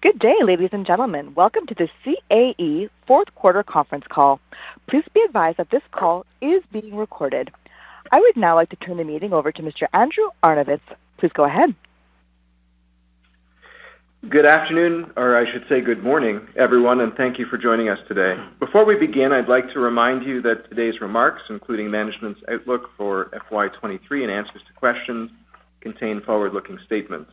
Good day, ladies and gentlemen. Welcome to the CAE fourth quarter conference call. Please be advised that this call is being recorded. I would now like to turn the meeting over to Mr. Andrew Arnovitz. Please go ahead. Good afternoon, or I should say good morning, everyone, and thank you for joining us today. Before we begin, I'd like to remind you that today's remarks, including management's outlook for FY2023 and answers to questions, contain forward-looking statements.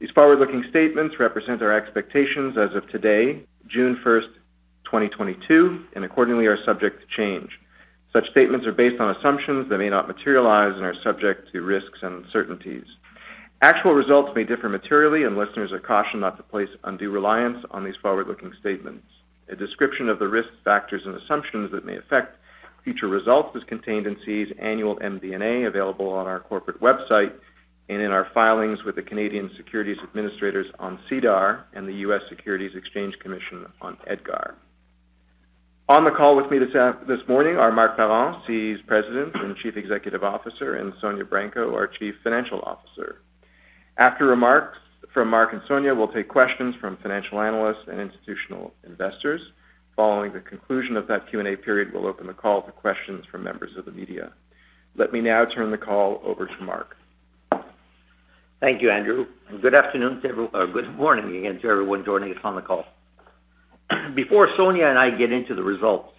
These forward-looking statements represent our expectations as of today, June 1, 2022, and accordingly, are subject to change. Such statements are based on assumptions that may not materialize and are subject to risks and uncertainties. Actual results may differ materially, and listeners are cautioned not to place undue reliance on these forward-looking statements. A description of the risks, factors, and assumptions that may affect future results is contained in CAE's annual MD&A available on our corporate website and in our filings with the Canadian Securities Administrators on SEDAR and the U.S. Securities and Exchange Commission on EDGAR. On the call with me this morning are Marc Parent, CAE's President and Chief Executive Officer, and Sonya Branco, our Chief Financial Officer. After remarks from Marc and Sonya, we'll take questions from financial analysts and institutional investors. Following the conclusion of that Q&A period, we'll open the call to questions from members of the media. Let me now turn the call over to Marc. Thank you, Andrew, and good morning again to everyone joining us on the call. Before Sonya and I get into the results,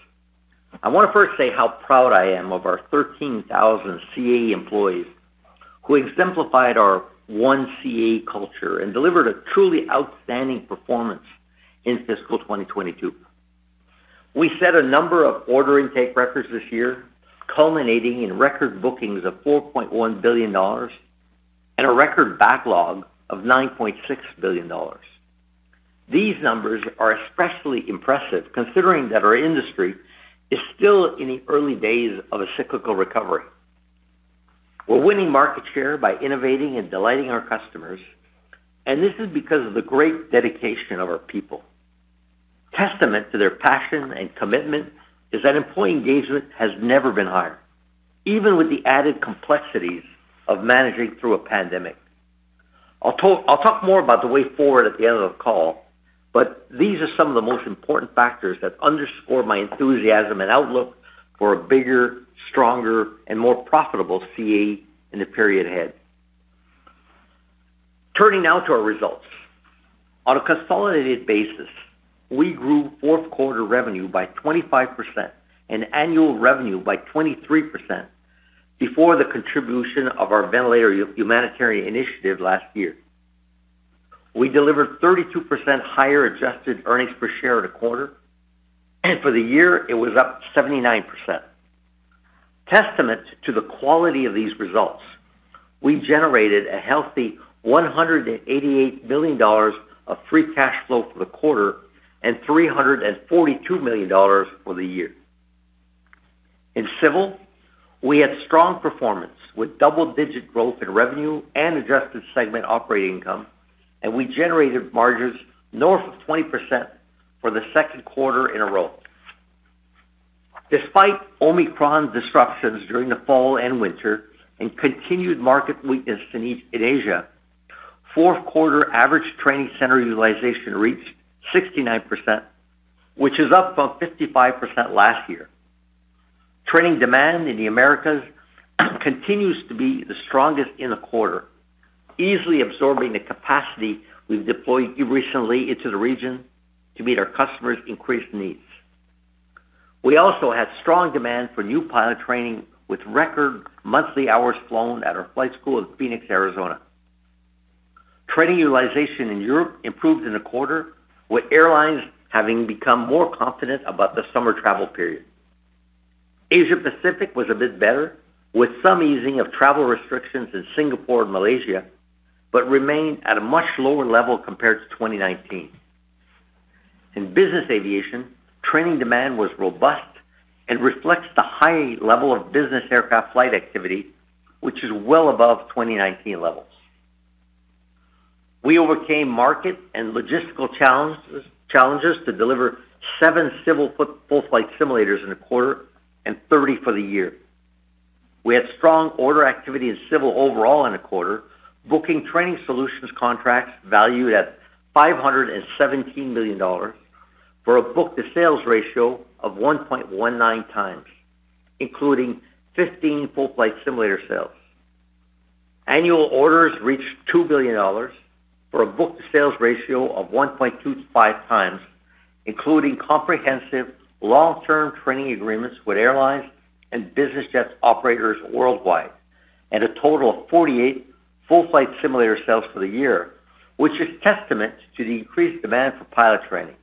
I want to first say how proud I am of our 13,000 CAE employees who exemplified our One CAE culture and delivered a truly outstanding performance in fiscal 2022. We set a number of order intake records this year, culminating in record bookings of 4.1 billion dollars and a record backlog of 9.6 billion dollars. These numbers are especially impressive considering that our industry is still in the early days of a cyclical recovery. We're winning market share by innovating and delighting our customers, and this is because of the great dedication of our people. Testament to their passion and commitment is that employee engagement has never been higher, even with the added complexities of managing through a pandemic. I'll talk more about the way forward at the end of the call, but these are some of the most important factors that underscore my enthusiasm and outlook for a bigger, stronger, and more profitable CAE in the period ahead. Turning now to our results. On a consolidated basis, we grew fourth quarter revenue by 25% and annual revenue by 23% before the contribution of our ventilator humanitarian initiative last year. We delivered 32% higher Adjusted Earnings Per Share in the quarter, and for the year, it was up 79%. Testament to the quality of these results, we generated a healthy 188 million dollars of free cash flow for the quarter and 342 million dollars for the year. In civil, we had strong performance with double-digit growth in revenue and adjusted segment operating income, and we generated margins north of 20% for the second quarter in a row. Despite Omicron disruptions during the fall and winter and continued market weakness in Asia, fourth quarter average training center utilization reached 69%, which is up from 55% last year. Training demand in the Americas continues to be the strongest in the quarter, easily absorbing the capacity we've deployed recently into the region to meet our customers' increased needs. We also had strong demand for new pilot training with record monthly hours flown at our flight school in Phoenix, Arizona. Training utilization in Europe improved in the quarter, with airlines having become more confident about the summer travel period. Asia-Pacific was a bit better, with some easing of travel restrictions in Singapore and Malaysia, but remained at a much lower level compared to 2019. In business aviation, training demand was robust and reflects the high level of business aircraft flight activity, which is well above 2019 levels. We overcame market and logistical challenges to deliver seven civil full flight simulators in a quarter and 30 for the year. We had strong order activity in civil overall in a quarter, booking training solutions contracts valued at 517 million dollars for a book-to-sales ratio of 1.19x, including 15 full flight simulator sales. Annual orders reached 2 billion dollars for a book-to-sales ratio of 1.25x, including comprehensive long-term training agreements with airlines and business jet operators worldwide and a total of 48 full-flight simulator sales for the year, which is testament to the increased demand for pilot training.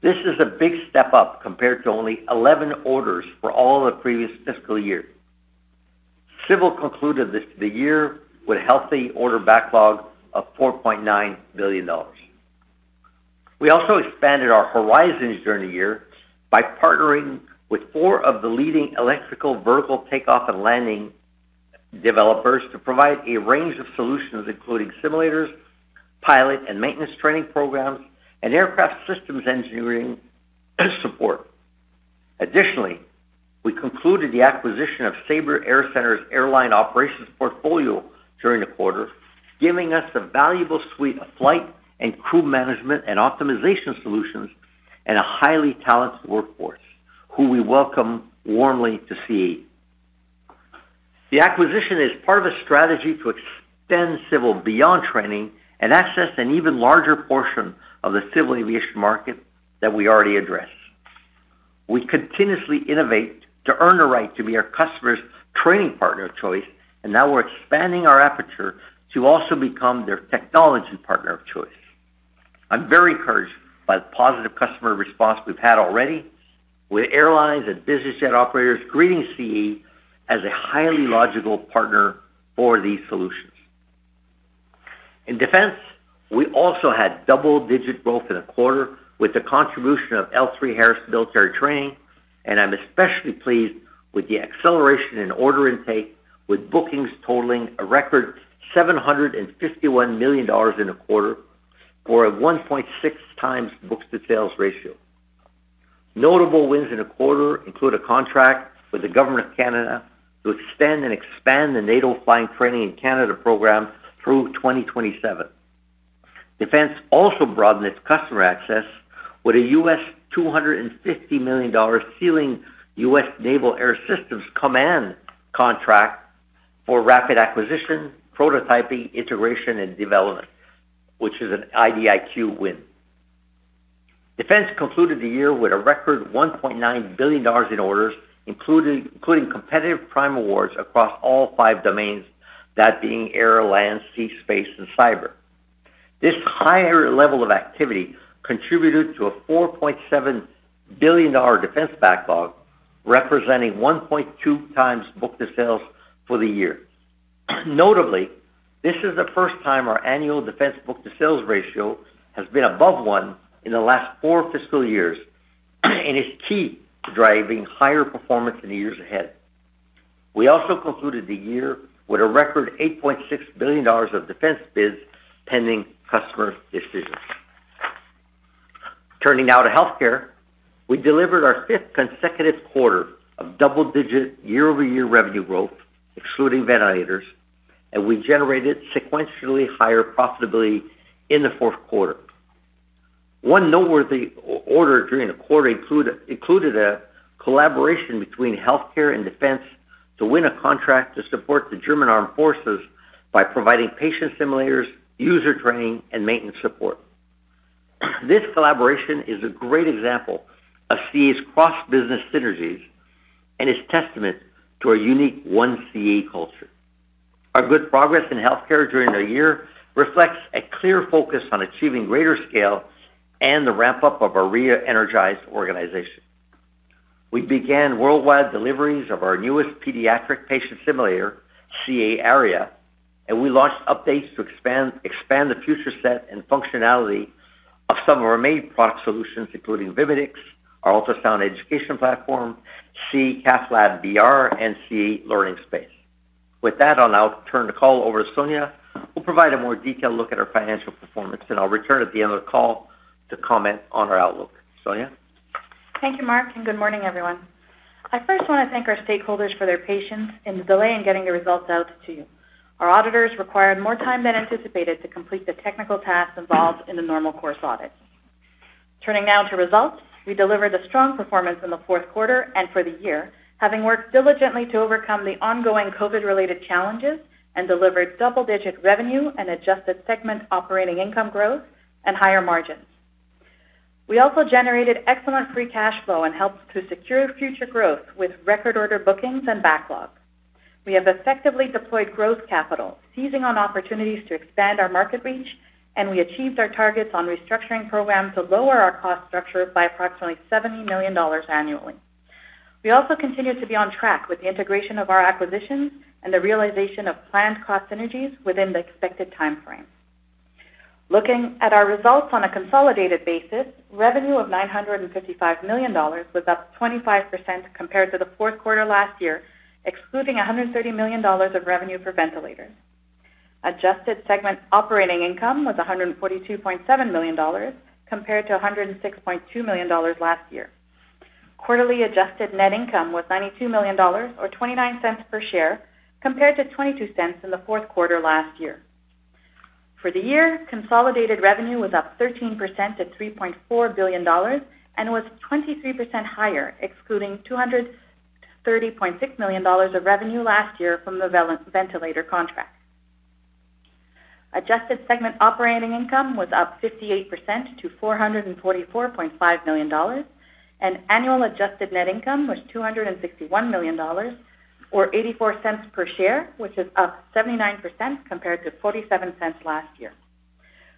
This is a big step up compared to only 11 orders for all of the previous fiscal year. Civil concluded the year with a healthy order backlog of 4.9 billion dollars. We also expanded our horizons during the year by partnering with four of the leading electric vertical takeoff and landing developers to provide a range of solutions, including simulators, pilot and maintenance training programs, and aircraft systems engineering support. Additionally, we concluded the acquisition of Sabre AirCentre's airline operations portfolio during the quarter, giving us a valuable suite of flight and crew management and optimization solutions, and a highly talented workforce who we welcome warmly to CAE. The acquisition is part of a strategy to extend civil beyond training and access an even larger portion of the civil aviation market that we already address. We continuously innovate to earn the right to be our customers' training partner of choice, and now we're expanding our aperture to also become their technology partner of choice. I'm very encouraged by the positive customer response we've had already with airlines and business jet operators greeting CAE as a highly logical partner for these solutions. In defense, we also had double-digit growth in the quarter with the contribution of L3Harris Military Training, and I'm especially pleased with the acceleration in order intake, with bookings totaling a record 751 million dollars in the quarter for a 1.6x book-to-sales ratio. Notable wins in the quarter include a contract with the Government of Canada to extend and expand the NATO Flying Training in Canada program through 2027. Defense also broadened its customer access with a $250 million ceiling, U.S. Naval Air Systems Command contract for rapid acquisition, prototyping, integration, and development, which is an IDIQ win. Defense concluded the year with a record 1.9 billion dollars in orders, including competitive prime awards across all five domains, that being air, land, sea, space, and cyber. This higher level of activity contributed to a 4.7 billion dollar defense backlog, representing 1.2x book-to-sales for the year. Notably, this is the first time our annual defense book-to-sales ratio has been above one in the last four fiscal years and is key to driving higher performance in the years ahead. We also concluded the year with a record 8.6 billion dollars of defense bids pending customer decisions. Turning now to healthcare. We delivered our fifth consecutive quarter of double-digit year-over-year revenue growth, excluding ventilators, and we generated sequentially higher profitability in the fourth quarter. One noteworthy order during the quarter included a collaboration between healthcare and defense to win a contract to support the German Armed Forces by providing patient simulators, user training, and maintenance support. This collaboration is a great example of CAE's cross-business synergies and is testament to our unique One CAE culture. Our good progress in healthcare during the year reflects a clear focus on achieving greater scale and the ramp-up of our re-energized organization. We began worldwide deliveries of our newest pediatric patient simulator, CAE Aria, and we launched updates to expand the feature set and functionality of some of our main product solutions, including CAE Vimedix, our ultrasound education platform, CAE CathLabVR, and CAE LearningSpace. With that, I'll now turn the call over to Sonya, who'll provide a more detailed look at our financial performance, and I'll return at the end of the call to comment on our outlook. Sonya? Thank you, Marc, and good morning, everyone. I first want to thank our stakeholders for their patience in the delay in getting the results out to you. Our auditors required more time than anticipated to complete the technical tasks involved in the normal course audit. Turning now to results. We delivered a strong performance in the fourth quarter and for the year, having worked diligently to overcome the ongoing COVID-related challenges and delivered double-digit revenue and adjusted segment operating income growth and higher margins. We also generated excellent free cash flow and helped to secure future growth with record order bookings and backlogs. We have effectively deployed growth capital, seizing on opportunities to expand our market reach, and we achieved our targets on restructuring programs to lower our cost structure by approximately 70 million dollars annually. We also continue to be on track with the integration of our acquisitions and the realization of planned cost synergies within the expected timeframe. Looking at our results on a consolidated basis, revenue of 955 million dollars was up 25% compared to the fourth quarter last year, excluding 130 million dollars of revenue for ventilators. Adjusted segment operating income was 142.7 million dollars compared to 106.2 million dollars last year. Quarterly adjusted net income was 92 million dollars or 0.29 per share, compared to 0.22 in the fourth quarter last year. For the year, consolidated revenue was up 13% to 3.4 billion dollars and was 23% higher, excluding 230.6 million dollars of revenue last year from the ventilator contract. Adjusted segment operating income was up 58% to 444.5 million dollars, and annual adjusted net income was 261 million dollars or 0.84 per share, which is up 79% compared to 0.47 last year.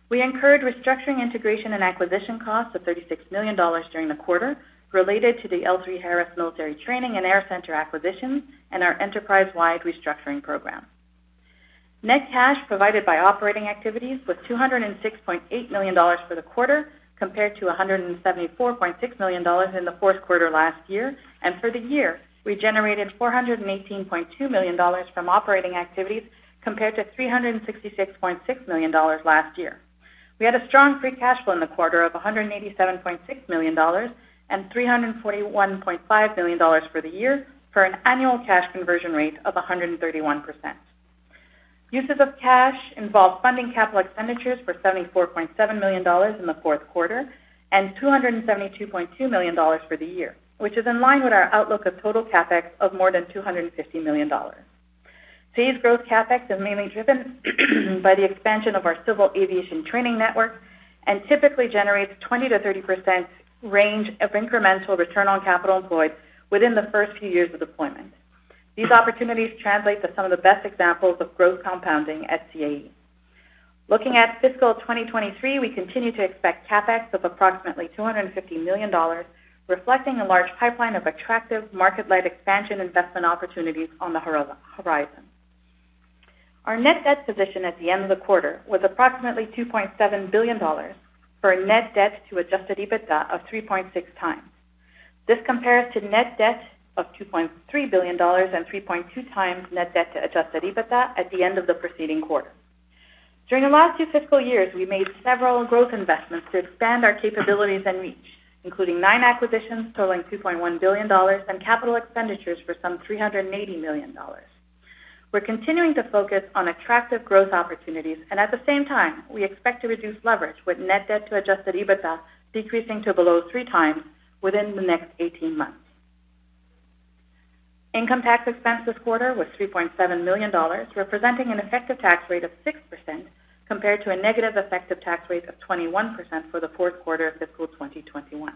We incurred restructuring, integration, and acquisition costs of 36 million dollars during the quarter related to the L3Harris Military Training and AirCentre acquisitions and our enterprise-wide restructuring program. Net cash provided by operating activities was 206.8 million dollars for the quarter, compared to 174.6 million dollars in the fourth quarter last year. For the year, we generated 418.2 million dollars from operating activities, compared to 366.6 million dollars last year. We had a strong free cash flow in the quarter of 187.6 million dollars and 341.5 million dollars for the year, for an annual cash conversion rate of 131%. Uses of cash involve funding capital expenditures for 74.7 million dollars in the fourth quarter and 272.2 million dollars for the year, which is in line with our outlook of total CapEx of more than 250 million dollars. This growth CapEx is mainly driven by the expansion of our civil aviation training network and typically generates 20%-30% range of incremental return on capital employed within the first few years of deployment. These opportunities translate to some of the best examples of growth compounding at CAE. Looking at fiscal 2023, we continue to expect CapEx of approximately 250 million dollars, reflecting a large pipeline of attractive market-led expansion investment opportunities on the horizon. Our net debt position at the end of the quarter was approximately 2.7 billion dollars for a net debt to Adjusted EBITDA of 3.6x. This compares to net debt of 2.3 billion dollars and 3.2x net debt to Adjusted EBITDA at the end of the preceding quarter. During the last two fiscal years, we made several growth investments to expand our capabilities and reach, including nine acquisitions totaling 2.1 billion dollars and capital expenditures for some 380 million dollars. We're continuing to focus on attractive growth opportunities, and at the same time, we expect to reduce leverage with net debt to Adjusted EBITDA decreasing to below 3x within the next 18 months. Income tax expense this quarter was 3.7 million dollars, representing an effective tax rate of 6% compared to a negative effective tax rate of 21% for the fourth quarter of fiscal 2021.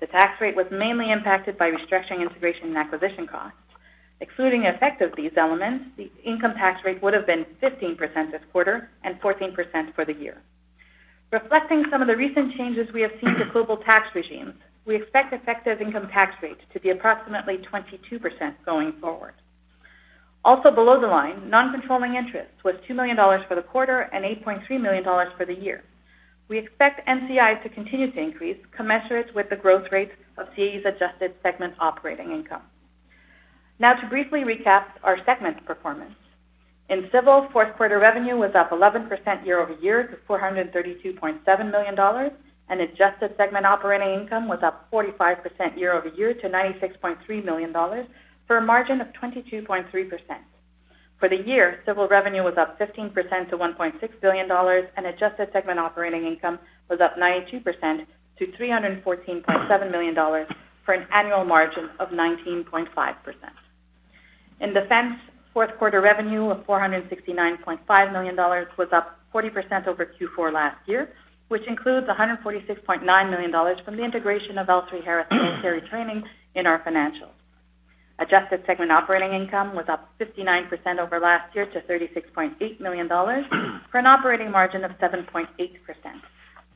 The tax rate was mainly impacted by restructuring, integration, and acquisition costs. Excluding the effect of these elements, the income tax rate would have been 15% this quarter and 14% for the year. Reflecting some of the recent changes we have seen to global tax regimes, we expect effective income tax rates to be approximately 22% going forward. Also below the line, non-controlling interest was 2 million dollars for the quarter and 8.3 million dollars for the year. We expect NCI to continue to increase commensurate with the growth rates of CAE's adjusted segment operating income. Now to briefly recap our segment performance. In Civil, fourth quarter revenue was up 11% year-over-year to 432.7 million dollars, and adjusted segment operating income was up 45% year-over-year to 96.3 million dollars, for a margin of 22.3%. For the year, Civil revenue was up 15% to 1.6 billion dollars, and adjusted segment operating income was up 92% to 314.7 million dollars for an annual margin of 19.5%. In Defense, fourth quarter revenue of 469.5 million dollars was up 40% over Q4 last year, which includes 146.9 million dollars from the integration of L3Harris Military Training in our financials. Adjusted segment operating income was up 59% over last year to 36.8 million dollars for an operating margin of 7.8%.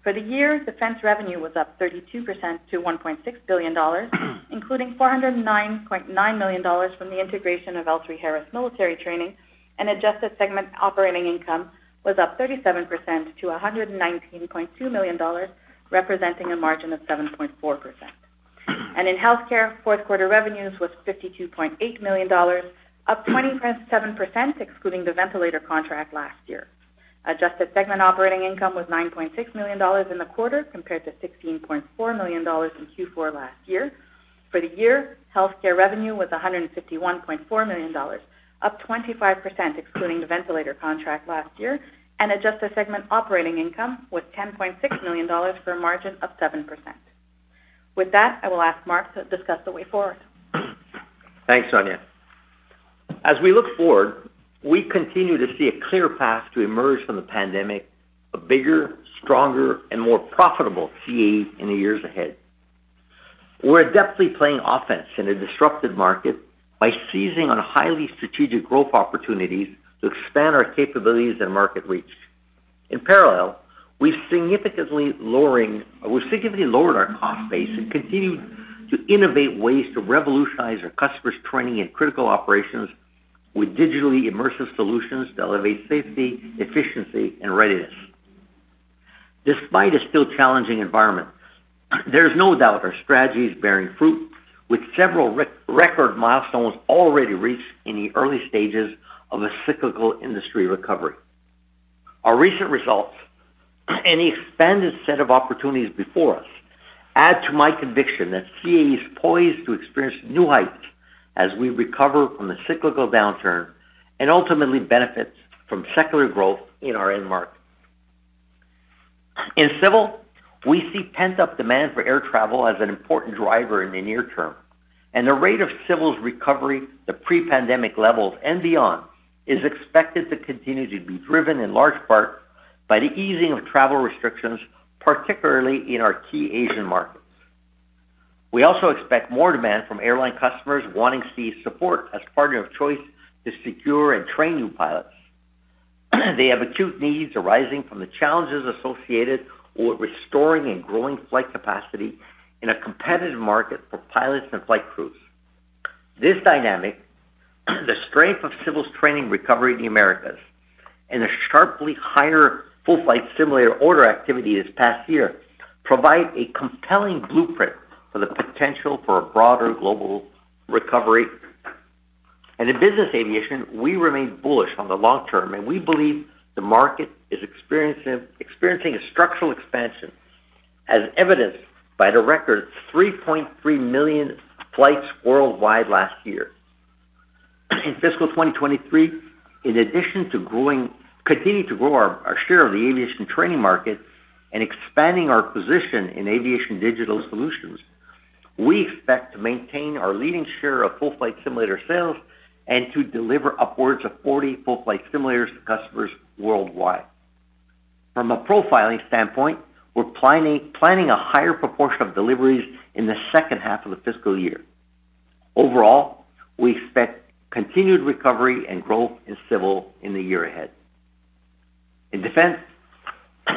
For the year, Defense revenue was up 32% to 1.6 billion dollars, including 409.9 million dollars from the integration of L3Harris Military Training, and adjusted segment operating income was up 37% to 119.2 million dollars, representing a margin of 7.4%. In Healthcare, fourth quarter revenues was 52.8 million dollars, up 20%, 7%, excluding the ventilator contract last year. Adjusted segment operating income was 9.6 million dollars in the quarter compared to 16.4 million dollars in Q4 last year. For the year, Healthcare revenue was 151.4 million dollars, up 25%, excluding the ventilator contract last year, and adjusted segment operating income was 10.6 million dollars for a margin of 7%. With that, I will ask Marc to discuss the way forward. Thanks, Sonya. As we look forward, we continue to see a clear path to emerge from the pandemic, a bigger, stronger, and more profitable CAE in the years ahead. We're adeptly playing offense in a disrupted market by seizing on highly strategic growth opportunities to expand our capabilities and market reach. In parallel, we've significantly lowered our cost base and continue to innovate ways to revolutionize our customers' training and critical operations with digitally immersive solutions to elevate safety, efficiency, and readiness. Despite a still challenging environment, there's no doubt our strategy is bearing fruit with several record milestones already reached in the early stages of a cyclical industry recovery. Our recent results and the expanded set of opportunities before us add to my conviction that CAE is poised to experience new heights as we recover from the cyclical downturn and ultimately benefit from secular growth in our end market. In Civil, we see pent-up demand for air travel as an important driver in the near term, and the rate of Civil's recovery to pre-pandemic levels and beyond is expected to continue to be driven in large part by the easing of travel restrictions, particularly in our key Asian markets. We also expect more demand from airline customers wanting CAE's support as partner of choice to secure and train new pilots. They have acute needs arising from the challenges associated with restoring and growing flight capacity in a competitive market for pilots and flight crews. This dynamic, the strength of Civil's training recovery in the Americas, and a sharply higher full-flight simulator order activity this past year provide a compelling blueprint for the potential for a broader global recovery. In business aviation, we remain bullish on the long term, and we believe the market is experiencing a structural expansion as evidenced by the record 3.3 million flights worldwide last year. In fiscal 2023, in addition to continuing to grow our share of the aviation training market and expanding our position in aviation digital solutions, we expect to maintain our leading share of full-flight simulator sales and to deliver upwards of 40 full-flight simulators to customers worldwide. From a profiling standpoint, we're planning a higher proportion of deliveries in the H2 of the fiscal year. Overall, we expect continued recovery and growth in civil in the year ahead. In defense,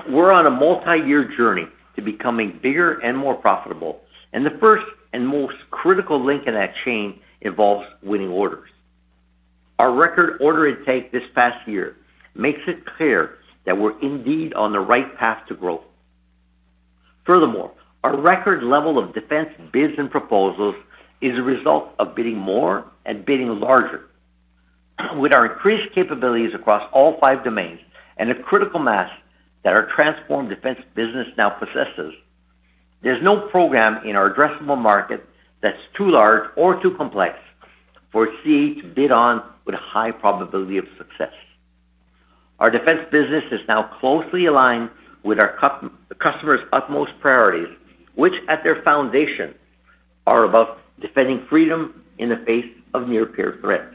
we're on a multiyear journey to becoming bigger and more profitable, and the first and most critical link in that chain involves winning orders. Our record order intake this past year makes it clear that we're indeed on the right path to growth. Furthermore, our record level of defense bids and proposals is a result of bidding more and bidding larger. With our increased capabilities across all five domains and a critical mass that our transformed defense business now possesses, there's no program in our addressable market that's too large or too complex for CAE to bid on with a high probability of success. Our defense business is now closely aligned with our customers' utmost priorities, which at their foundation are about defending freedom in the face of near-peer threats.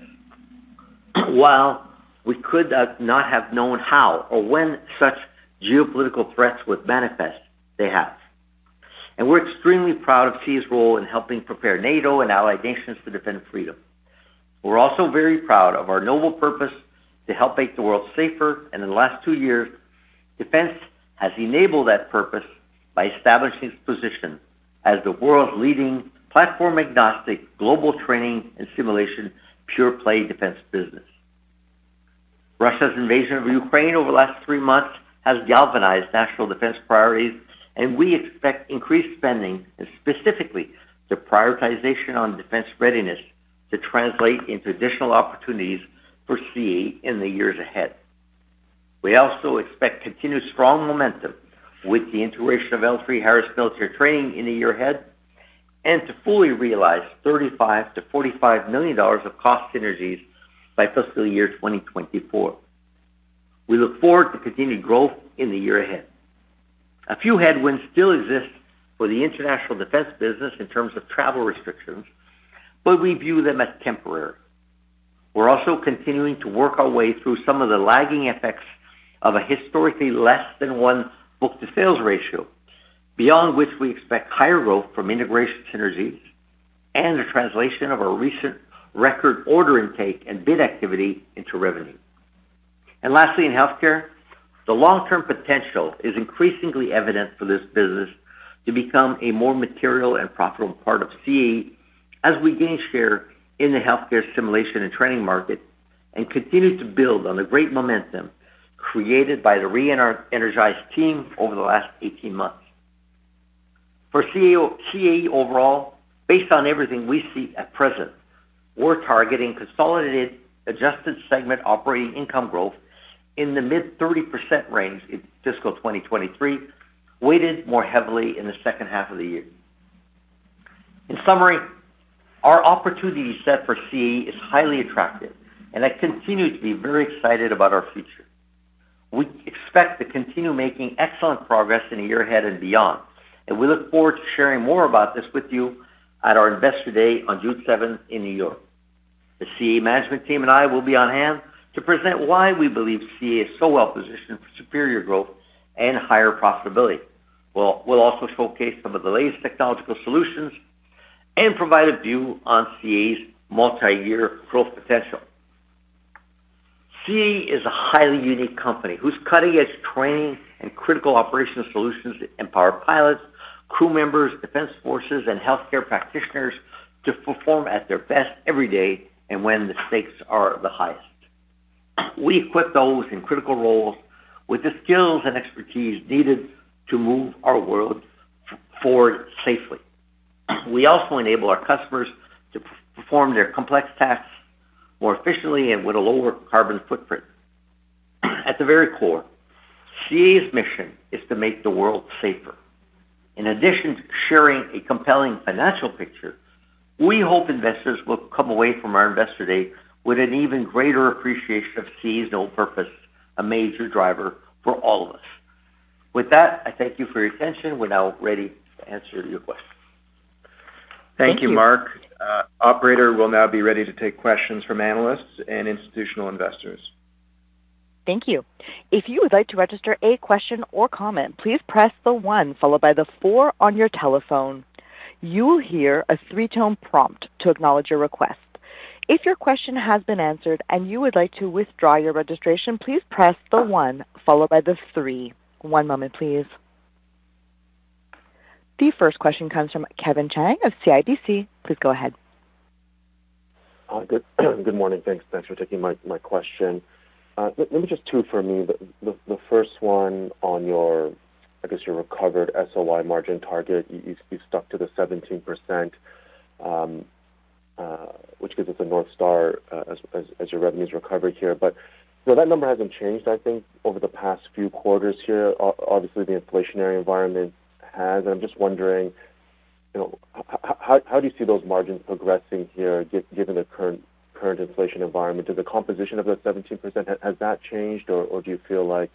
While we could not have known how or when such geopolitical threats would manifest, they have. We're extremely proud of CAE's role in helping prepare NATO and allied nations to defend freedom. We're also very proud of our noble purpose to help make the world safer. In the last two years, defense has enabled that purpose by establishing its position as the world's leading platform-agnostic global training and simulation pure-play defense business. Russia's invasion of Ukraine over the last three months has galvanized national defense priorities, and we expect increased spending, and specifically the prioritization on defense readiness to translate into additional opportunities for CAE in the years ahead. We also expect continued strong momentum with the integration of L3Harris Military Training in the year ahead and to fully realize $35 million-$45 million of cost synergies by fiscal year 2024. We look forward to continued growth in the year ahead. A few headwinds still exist for the international defense business in terms of travel restrictions, but we view them as temporary. We're also continuing to work our way through some of the lagging effects of a historically less than one book-to-sales ratio, beyond which we expect higher growth from integration synergies and the translation of our recent record order intake and bid activity into revenue. Lastly, in healthcare, the long-term potential is increasingly evident for this business to become a more material and profitable part of CAE as we gain share in the healthcare simulation and training market and continue to build on the great momentum created by the re-energized team over the last 18 months. CAE overall, based on everything we see at present, we're targeting consolidated adjusted segment operating income growth in the mid-30% range in fiscal 2023, weighted more heavily in the H2 of the year. In summary, our opportunity set for CAE is highly attractive, and I continue to be very excited about our future. We expect to continue making excellent progress in the year ahead and beyond, and we look forward to sharing more about this with you at our Investor Day on June 7th in New York. The CAE management team and I will be on hand to present why we believe CAE is so well positioned for superior growth and higher profitability. We'll also showcase some of the latest technological solutions and provide a view on CAE's multiyear growth potential. CAE is a highly unique company whose cutting-edge training and critical operational solutions empower pilots, crew members, defense forces, and healthcare practitioners to perform at their best every day and when the stakes are the highest. We equip those in critical roles with the skills and expertise needed to move our world forward safely. We also enable our customers to perform their complex tasks more efficiently and with a lower carbon footprint. At the very core, CAE's mission is to make the world safer. In addition to sharing a compelling financial picture, we hope investors will come away from our Investor Day with an even greater appreciation of CAE's noble purpose, a major driver for all of us. With that, I thank you for your attention. We're now ready to answer your questions. Thank you. Thank you, Marc. Operator, we'll now be ready to take questions from analysts and institutional investors. Thank you. If you would like to register a question or comment, please press the one followed by the four on your telephone. You will hear a three-tone prompt to acknowledge your request. If your question has been answered and you would like to withdraw your registration, please press the one followed by the three. One moment, please. The first question comes from Kevin Chiang of CIBC. Please go ahead. Good morning. Thanks for taking my question. Let me just have two for me. The first one on your, I guess your recovered SOI margin target, you stuck to the 17%, which gives us a North Star as your revenues recovered here. You know, that number hasn't changed, I think, over the past few quarters here. Obviously, the inflationary environment has. I'm just wondering, you know, how do you see those margins progressing here given the current inflation environment? Does the composition of the 17%, has that changed or do you feel like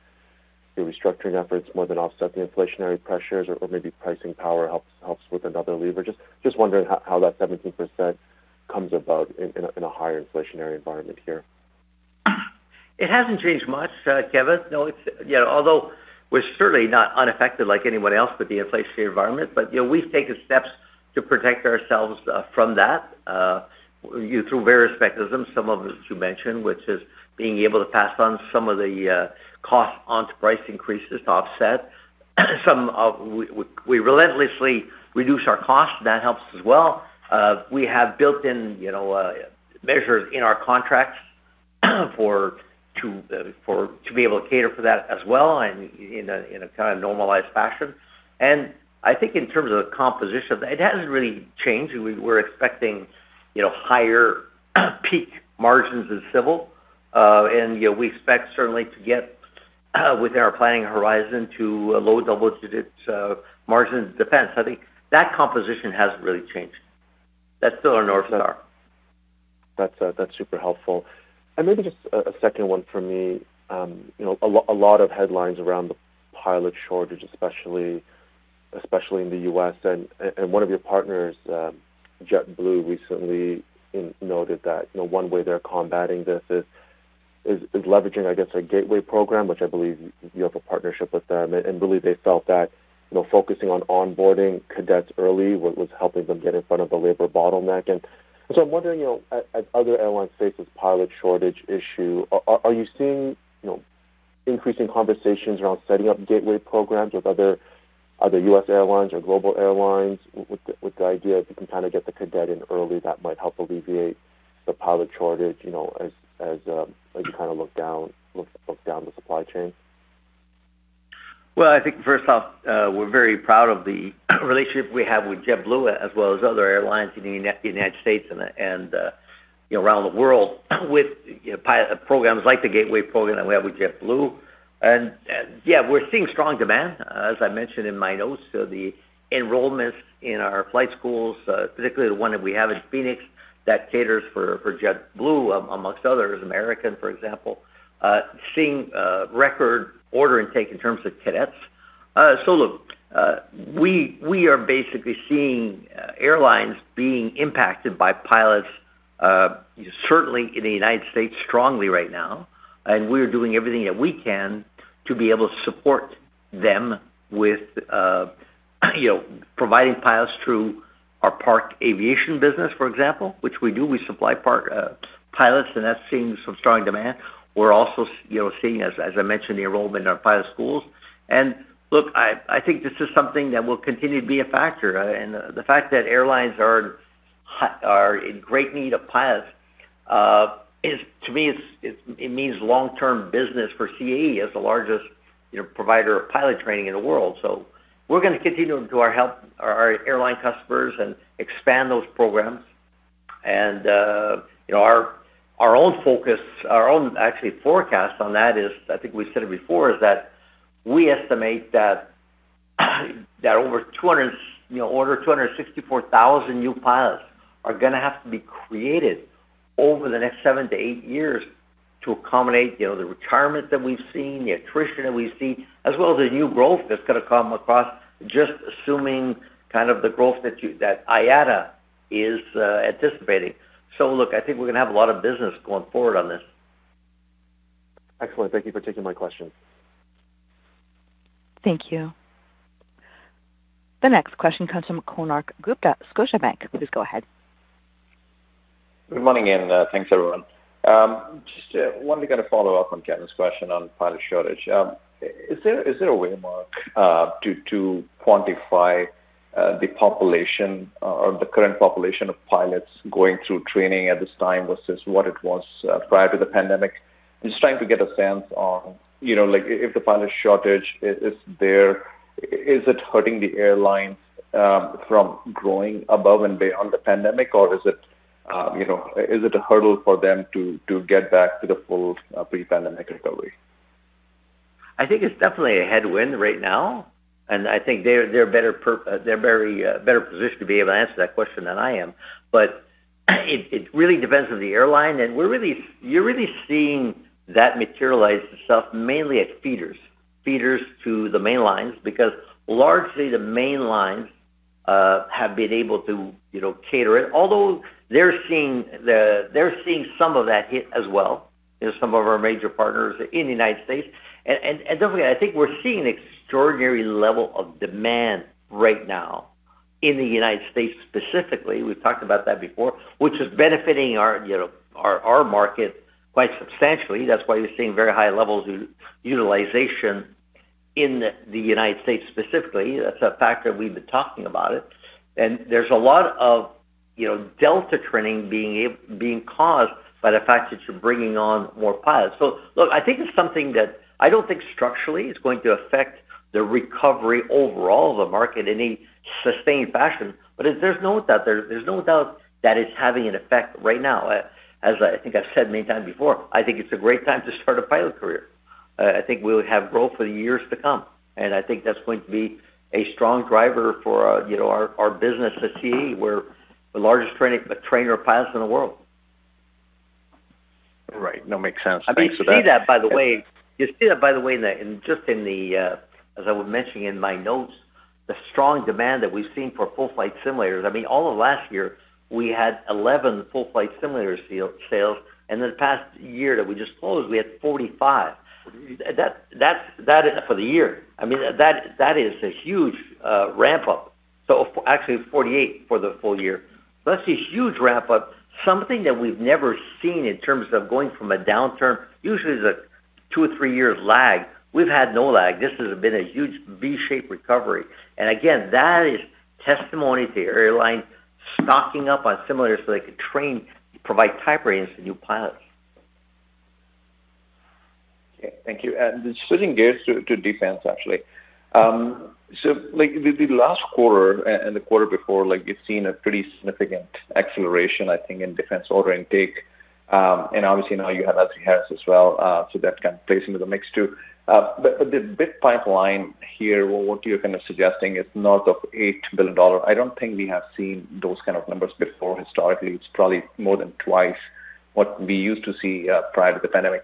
your restructuring efforts more than offset the inflationary pressures or maybe pricing power helps with another lever? Just wondering how that 17% comes about in a higher inflationary environment here. It hasn't changed much, Kevin. No, it's you know, although we're certainly not unaffected like anyone else with the inflationary environment, but, you know, we've taken steps to protect ourselves from that through various mechanisms, some of which you mentioned, which is being able to pass on some of the costs onto price increases to offset. We relentlessly reduce our costs. That helps as well. We have built-in, you know, measures in our contracts to be able to cater for that as well and in a kind of normalized fashion. I think in terms of the composition, it hasn't really changed. We're expecting, you know, higher peak margins in civil. You know, we expect certainly to get within our planning horizon to low double-digit margins defense. I think that composition hasn't really changed. That's still our North Star. That's super helpful. Maybe just a second one for me. You know, a lot of headlines around the pilot shortage, especially in the U.S. One of your partners, JetBlue, recently noted that, you know, one way they're combating this is leveraging, I guess, Gateway Select, which I believe you have a partnership with them. Really they felt that, you know, focusing on onboarding cadets early was helping them get in front of the labor bottleneck. I'm wondering, you know, as other airlines face this pilot shortage issue, are you seeing, you know, increasing conversations around setting up gateway programs with other U.S. airlines or global airlines with the idea if you can kind of get the cadet in early, that might help alleviate the pilot shortage, you know, as you kind of look down the supply chain? Well, I think first off, we're very proud of the relationship we have with JetBlue as well as other airlines in the United States and, you know, around the world with, you know, programs like the gateway program that we have with JetBlue. Yeah, we're seeing strong demand, as I mentioned in my notes. The enrollments in our flight schools, particularly the one that we have in Phoenix that caters for JetBlue, among others, American, for example, seeing record order intake in terms of cadets. Look, we are basically seeing airlines being impacted by pilots, certainly in the United States strongly right now, and we're doing everything that we can to be able to support them with, you know, providing pilots through our Parc Aviation business, for example, which we do. We supply Parc pilots, and that's seeing some strong demand. We're also you know, seeing, as I mentioned, the enrollment in our pilot schools. Look, I think this is something that will continue to be a factor. The fact that airlines are in great need of pilots is to me it means long-term business for CAE as the largest, you know, provider of pilot training in the world. We're gonna continue to help our airline customers and expand those programs. Our own focus, actually forecast on that is, I think we said it before, is that we estimate that over 200, you know, or 264,000 new pilots are gonna have to be created over the next seven-eight years to accommodate, you know, the retirement that we've seen, the attrition that we've seen, as well as the new growth that's gonna come across, just assuming kind of the growth that IATA is anticipating. Look, I think we're gonna have a lot of business going forward on this. Excellent. Thank you for taking my question. Thank you. The next question comes from Konark Gupta, Scotiabank. Please go ahead. Good morning, thanks everyone. Just wanted to get a follow-up on Kevin's question on pilot shortage. Is there a way, Marc, to quantify the population or the current population of pilots going through training at this time versus what it was prior to the pandemic? Just trying to get a sense on, you know, like, if the pilot shortage is it hurting the airlines from growing above and beyond the pandemic? Is it a hurdle for them to get back to the full pre-pandemic recovery? I think it's definitely a headwind right now, and I think they're very better positioned to be able to answer that question than I am. It really depends on the airline. You're really seeing that materialize itself mainly at feeders to the main lines, because largely the main lines have been able to, you know, cater it. Although they're seeing some of that hit as well in some of our major partners in the United States. Don't forget, I think we're seeing extraordinary level of demand right now in the United States specifically. We've talked about that before, which is benefiting our, you know, our market quite substantially. That's why you're seeing very high levels of utilization in the United States specifically. That's a factor we've been talking about it. There's a lot of, you know, delta training being caused by the fact that you're bringing on more pilots. Look, I think it's something that I don't think structurally is going to affect the recovery overall of the market in a sustained fashion. But there's no doubt that it's having an effect right now. As I think I've said many times before, I think it's a great time to start a pilot career. I think we'll have growth for the years to come, and I think that's going to be a strong driver for, you know, our business at CAE. We're the largest trainer of pilots in the world. Right. No, makes sense. Thanks for that. You see that, by the way, in the, just in the, as I was mentioning in my notes, the strong demand that we've seen for full-flight simulators. I mean, all of last year, we had 11 full-flight simulator sales. In the past year that we just closed, we had 45. That's for the year. I mean, that is a huge ramp-up. Actually 48 for the full year. That's a huge ramp-up, something that we've never seen in terms of going from a downturn. Usually, it's a two or three years lag. We've had no lag. This has been a huge V-shaped recovery. Again, that is testimony to the airline stocking up on simulators, so they could train, provide type ratings to new pilots. Okay, thank you. Just switching gears to defense, actually. So like the last quarter and the quarter before, like, you've seen a pretty significant acceleration, I think, in defense order intake. Obviously now you have L3Harris as well, so that kind of plays into the mix too. The bid pipeline here, what you're kind of suggesting is north of 8 billion dollars. I don't think we have seen those kind of numbers before. Historically, it's probably more than twice what we used to see prior to the pandemic.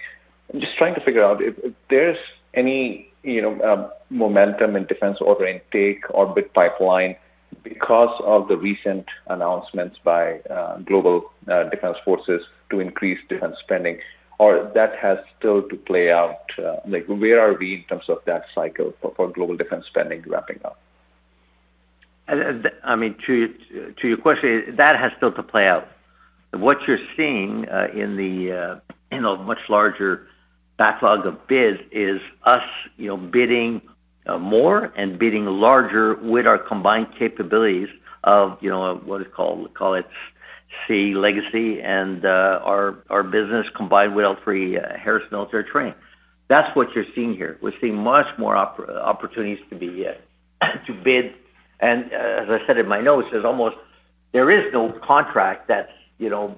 I'm just trying to figure out if there's any, you know, momentum in defense order intake or bid pipeline because of the recent announcements by global defense forces to increase defense spending, or that has still to play out. Like, where are we in terms of that cycle for global defense spending ramping up? I mean, to your question, that has still to play out. What you're seeing in a much larger backlog of bids is us, you know, bidding more and bidding larger with our combined capabilities of, you know, what is called, we call it CAE Legacy and our business combined with L3Harris Military Training. That's what you're seeing here. We're seeing much more opportunities to bid. As I said in my notes, there is no contract that's, you know,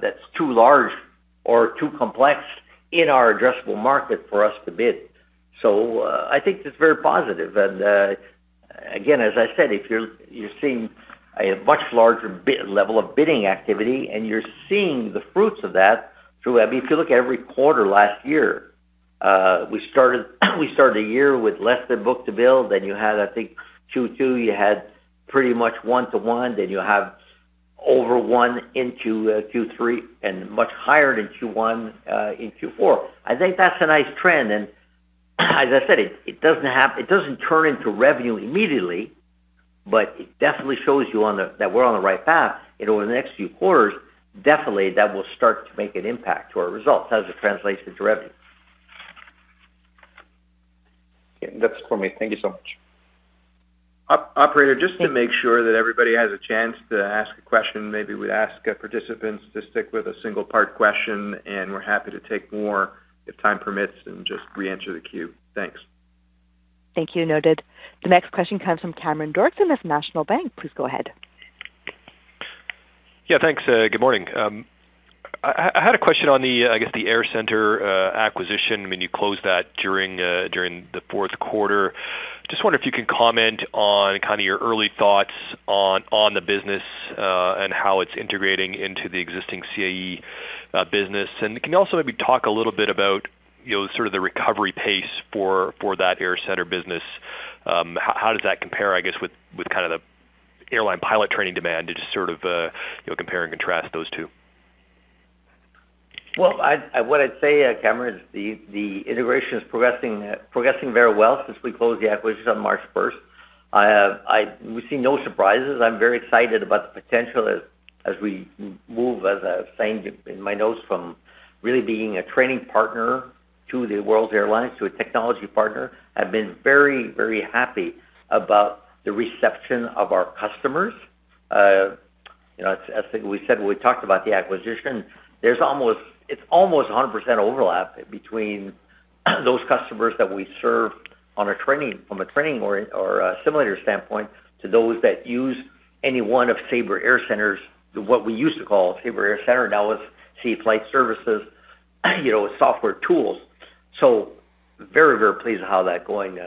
that's too large or too complex in our addressable market for us to bid. I think it's very positive. Again, as I said, you're seeing a much larger level of bidding activity, and you're seeing the fruits of that through every. If you look every quarter last year, we started the year with less than book-to-bill. Then you had, I think, Q2, you had pretty much one to one, then you have over one in Q3 and much higher than Q1 in Q4. I think that's a nice trend. As I said, it doesn't turn into revenue immediately, but it definitely shows that we're on the right path. Over the next few quarters, definitely that will start to make an impact to our results as it translates into revenue. That's it for me. Thank you so much. Operator, just to make sure that everybody has a chance to ask a question, maybe we'd ask participants to stick with a single part question, and we're happy to take more if time permits and just reenter the queue. Thanks. Thank you. Noted. The next question comes from Cameron Doerksen with National Bank Financial. Please go ahead. Yeah, thanks. Good morning. I had a question on, I guess the AirCentre acquisition when you closed that during the fourth quarter. Just wonder if you can comment on kind of your early thoughts on the business and how it's integrating into the existing CAE business. Can you also maybe talk a little bit about, you know, sort of the recovery pace for that AirCentre business? How does that compare, I guess, with kind of the airline pilot training demand to just sort of, you know, compare and contrast those two? Well, what I'd say, Cameron, is the integration is progressing very well since we closed the acquisition on March 1. We see no surprises. I'm very excited about the potential as we move, as I was saying in my notes, from really being a training partner to the world's airlines to a technology partner. I've been very, very happy about the reception of our customers. You know, as we said when we talked about the acquisition, it's almost 100% overlap between those customers that we serve from a training or a simulator standpoint to those that use any one of Sabre AirCentres, what we used to call Sabre AirCentre, now it's CAE Flight Services, you know, software tools. Very, very pleased with how that's going.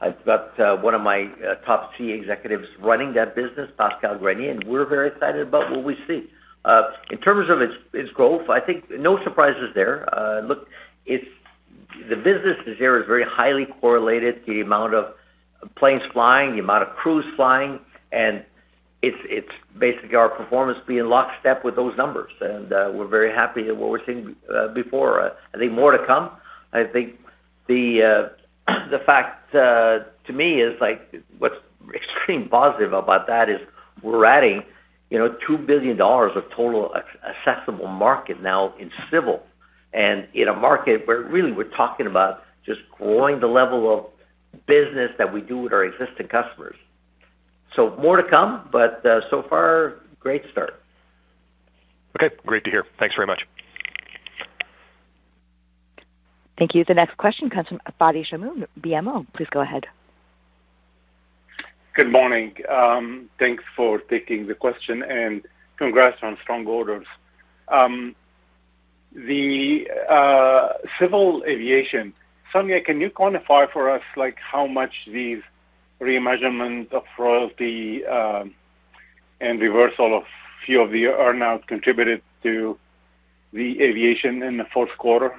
I've got one of my top CAE executives running that business, Pascal Grenier, and we're very excited about what we see. In terms of its growth, I think no surprises there. Look, there is very highly correlated, the amount of planes flying, the amount of crews flying, and it's basically our performance being lockstep with those numbers. We're very happy at what we're seeing before. I think more to come. I think the fact to me is, like, what's extremely positive about that is we're adding, you know, $2 billion of total addressable market now in civil. In a market where really we're talking about just growing the level of business that we do with our existing customers. More to come, but so far, great start. Okay, great to hear. Thanks very much. Thank you. The next question comes from Fadi Chamoun, BMO. Please go ahead. Good morning. Thanks for taking the question, and congrats on strong orders. Civil aviation. Sonya, can you quantify for us, like, how much these remeasurement of royalty and reversal of few of the earnouts contributed to the aviation in the fourth quarter?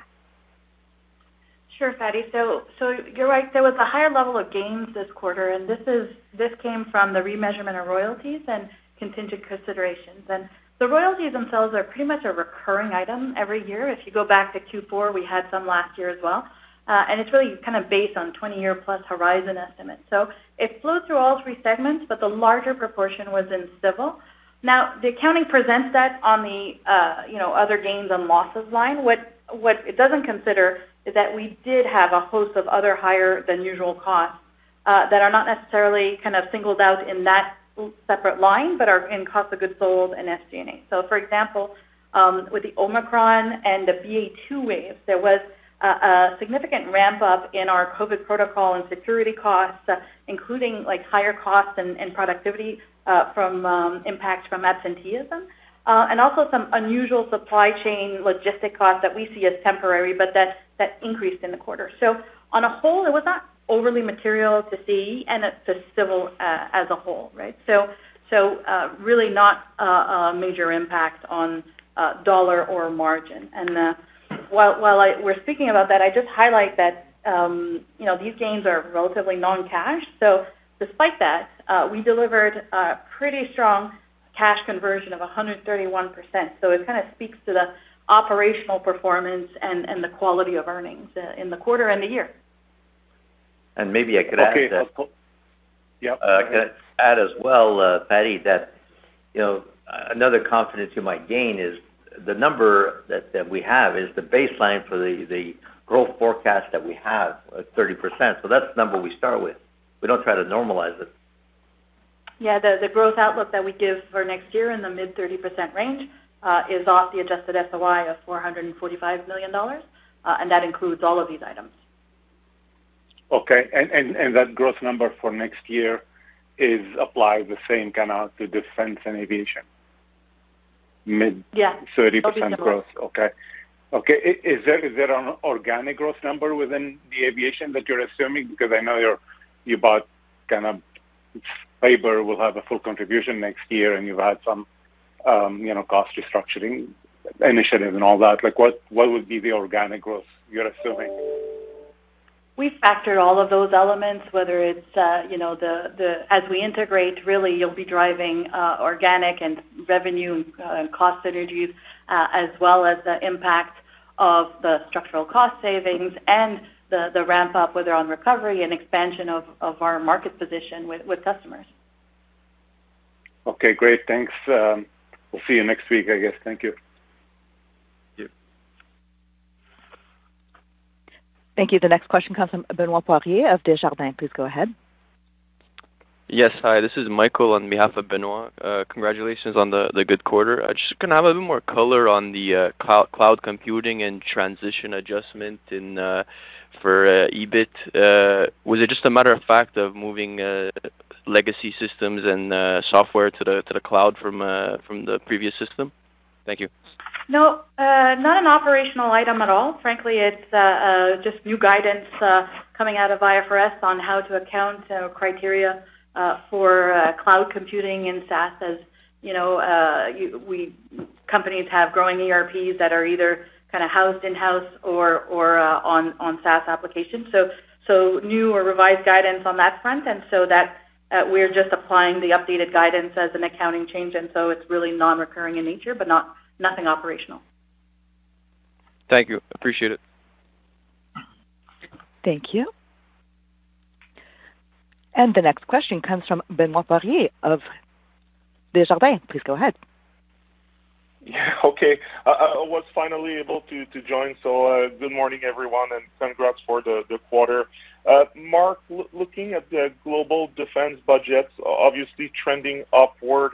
Sure, Fadi. You're right. There was a higher level of gains this quarter, and this came from the remeasurement of royalties and contingent considerations. The royalties themselves are pretty much a recurring item every year. If you go back to Q4, we had some last year as well. It's really kind of based on 20-year+ horizon estimates. It flew through all three segments, but the larger proportion was in civil. The accounting presents that on the, you know, other gains and losses line. What it doesn't consider is that we did have a host of other higher than usual costs that are not necessarily kind of singled out in that separate line, but are in cost of goods sold and SG&A. For example, with the Omicron and the BA.2 wave, there was a significant ramp-up in our COVID protocol and security costs, including, like, higher costs and productivity from impact from absenteeism, and also some unusual supply chain logistic costs that we see as temporary, but that increased in the quarter. On a whole, it was not overly material to see, and it's civil as a whole, right? Really not a major impact on dollar or margin. While we're speaking about that, I just highlight that, you know, these gains are relatively non-cash. Despite that, we delivered a pretty strong cash conversion of 131%. It kind of speaks to the operational performance and the quality of earnings in the quarter and the year. Maybe I could add that. Okay. Yeah. Can I add as well, Fadi, that you know, another confidence you might gain is the number that we have is the baseline for the growth forecast that we have at 30%. That's the number we start with. We don't try to normalize it. The growth outlook that we give for next year in the mid-30% range is off the adjusted SOI of 445 million dollars, and that includes all of these items. Okay. That growth number for next year is applied the same kind of to defense and aviation? Yeah. 30% growth. Both of those. Is there an organic growth number within the aviation that you're assuming? Because I know you bought L3Harris will have a full contribution next year, and you've had some, you know, cost restructuring initiatives and all that. Like, what would be the organic growth you're assuming? We factor all of those elements, whether it's, you know, as we integrate, really you'll be driving, organic and revenue, and cost synergies, as well as the impact of the structural cost savings and the ramp up, whether on recovery and expansion of our market position with customers. Okay, great. Thanks. We'll see you next week, I guess. Thank you. Yep. Thank you. The next question comes from Benoit Poirier of Desjardins. Please go ahead. Yes. Hi, this is Michael on behalf of Benoit. Congratulations on the good quarter. I'm just gonna have a little more color on the cloud computing and transition adjustment and for EBIT. Was it just a matter of fact of moving legacy systems and software to the cloud from the previous system? Thank you. No, not an operational item at all. Frankly, it's just new guidance coming out of IFRS on accounting criteria for cloud computing and SaaS. As you know, companies have growing ERPs that are either kind of housed in-house or on SaaS applications. New or revised guidance on that front. It's really non-recurring in nature, but nothing operational. Thank you. Appreciate it. Thank you. The next question comes from Benoit Poirier of Desjardins. Please go ahead. Yeah. Okay. I was finally able to join. Good morning, everyone, and congrats for the quarter. Marc, looking at the global defense budgets obviously trending upward,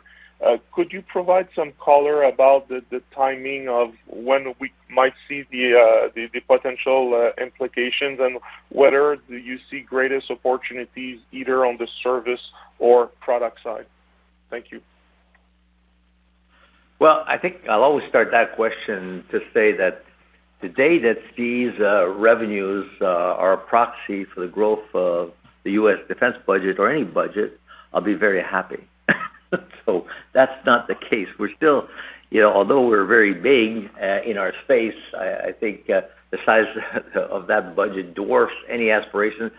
could you provide some color about the timing of when we might see the potential implications and whether you see greatest opportunities either on the service or product side? Thank you. Well, I think I'll always start that question to say that the day that these revenues are a proxy for the growth of the U.S. defense budget or any budget, I'll be very happy. That's not the case. We're still, you know, although we're very big in our space, I think the size of that budget dwarfs any aspiration.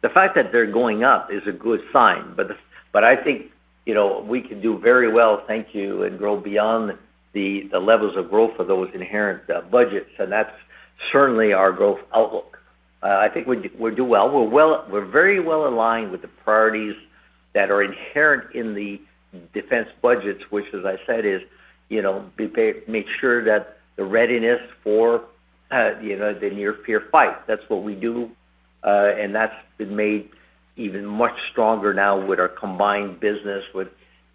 The fact that they're going up is a good sign. I think, you know, we can do very well, thank you, and grow beyond the levels of growth of those inherent budgets. That's certainly our growth outlook. I think we do well. We're very well aligned with the priorities that are inherent in the defense budgets, which as I said is, you know, make sure that the readiness for, you know, the near-peer fight, that's what we do. And that's been made even much stronger now with our combined business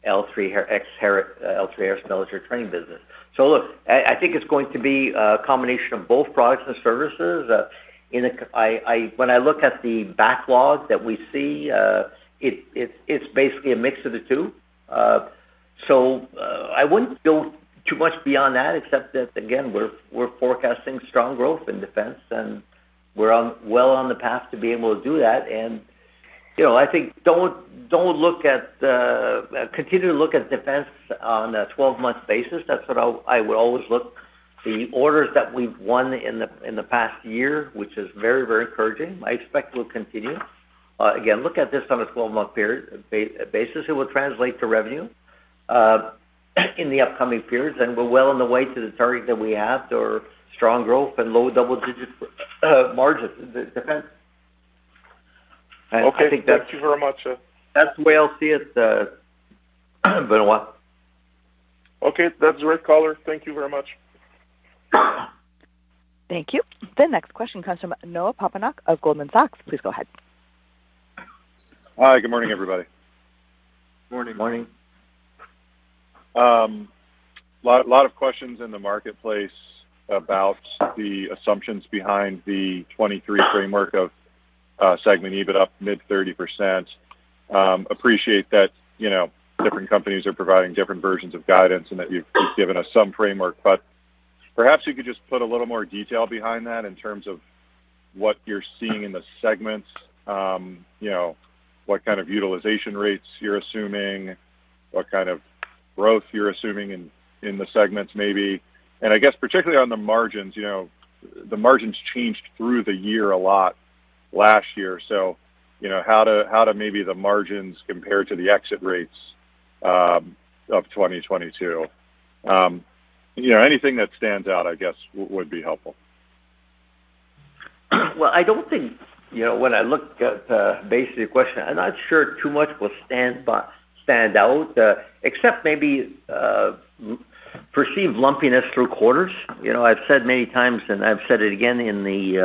with L3Harris military training business. So look, I think it's going to be a combination of both products and services. When I look at the backlog that we see, it's basically a mix of the two. I wouldn't go too much beyond that, except that again, we're forecasting strong growth in defense, and we're well on the path to be able to do that. You know, I think don't look at, continue to look at defense on a 12-month basis. That's what I would always look. The orders that we've won in the past year, which is very, very encouraging. I expect will continue. Again, look at this on a 12-month basis. It will translate to revenue in the upcoming periods, and we're well on the way to the target that we have to our strong growth and low double-digit margins. It depends. Okay. I think that's. Thank you very much, sir. That's the way I'll see it, Benoit. Okay. That's the right caller. Thank you very much. Thank you. The next question comes from Noah Poponak of Goldman Sachs. Please go ahead. Hi. Good morning, everybody. Morning. Morning. Lot of questions in the marketplace about the assumptions behind the 2023 framework of segment EBIT up mid-30%. Appreciate that, you know, different companies are providing different versions of guidance and that you've given us some framework. Perhaps you could just put a little more detail behind that in terms of what you're seeing in the segments, you know, what kind of utilization rates you're assuming, what kind of growth you're assuming in the segments maybe. I guess particularly on the margins, you know, the margins changed through the year a lot last year. You know, how the margins compare to the exit rates of 2022. You know, anything that stands out, I guess, would be helpful. Well, I don't think, you know, when I look at basically your question, I'm not sure too much will stand out, except maybe perceived lumpiness through quarters. You know, I've said many times, and I've said it again in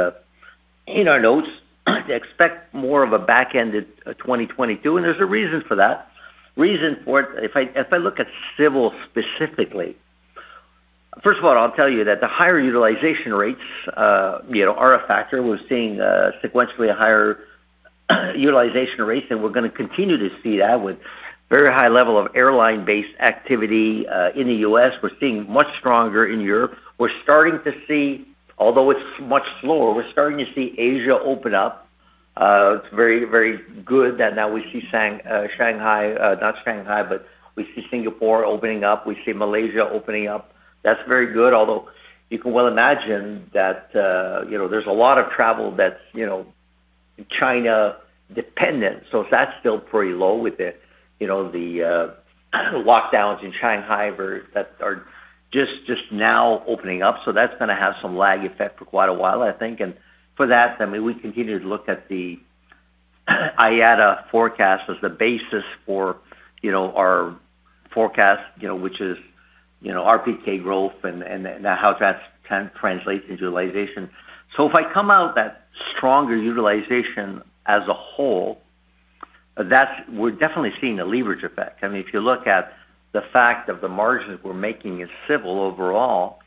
our notes, expect more of a back end of 2022, and there's a reason for that. Reason for it, if I look at civil specifically, first of all, I'll tell you that the higher utilization rates, you know, are a factor. We're seeing sequentially higher utilization rates, and we're gonna continue to see that with very high level of airline-based activity in the U.S. We're seeing much stronger in Europe. We're starting to see, although it's much slower, Asia open up. It's very good that now we see Shanghai, not Shanghai, but we see Singapore opening up. We see Malaysia opening up. That's very good. Although you can well imagine that, you know, there's a lot of travel that's, you know, China dependent. So that's still pretty low with the, you know, the lockdowns in Shanghai that are just now opening up. So that's gonna have some lag effect for quite a while, I think. For that, I mean, we continue to look at the IATA forecast as the basis for, you know, our forecast, you know, which is, you know, RPK growth and how that's translates into utilization. So if I come out that stronger utilization as a whole, that's we're definitely seeing a leverage effect. I mean, if you look at the fact that the margins we're making in Civil overall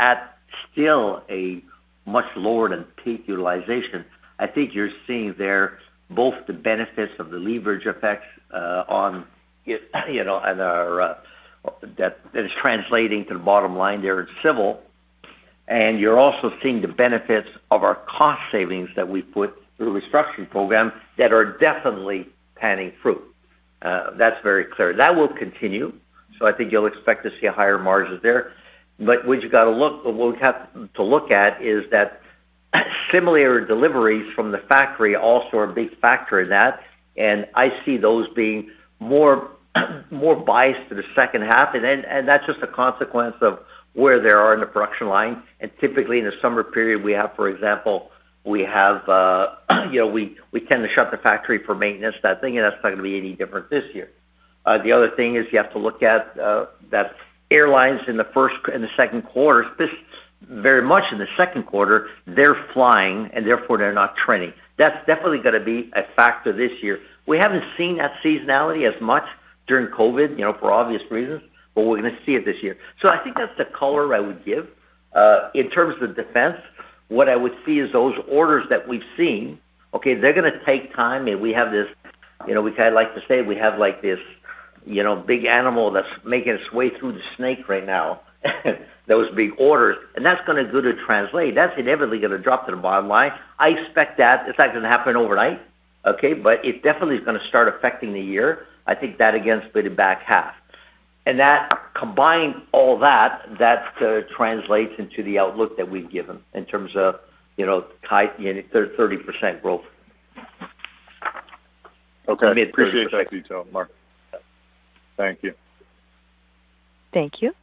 are still much lower than peak utilization, I think you're seeing there both the benefits of the leverage effects that is translating to the bottom line there in Civil. You're also seeing the benefits of our cost savings that we've put through a restructuring program that are definitely panning out. That's very clear. That will continue. I think you'll expect to see higher margins there. What we'll have to look at is that simulator deliveries from the factory also are a big factor in that. I see those being more biased to the second half. That's just a consequence of where they are in the production line. Typically, in the summer period, we have, for example, we tend to shut the factory for maintenance, that thing, and that's not gonna be any different this year. The other thing is you have to look at that airlines in the second quarter, this very much in the second quarter, they're flying, and therefore, they're not training. That's definitely gonna be a factor this year. We haven't seen that seasonality as much during COVID, you know, for obvious reasons, but we're gonna see it this year. I think that's the color I would give. In terms of defense, what I would see is those orders that we've seen, okay, they're gonna take time, and we have this, you know, we kind of like to say we have, like, this, you know, big animal that's making its way through the snake right now, those big orders. That's gonna go to translate. That's inevitably gonna drop to the bottom line. I expect that it's not gonna happen overnight, okay, but it definitely is gonna start affecting the year. I think that, again, it's for the back half. That combined all that translates into the outlook that we've given in terms of, you know, SEU, 30% growth. Okay. Mid 30%. Appreciate that detail, Marc. Thank you. Thank you.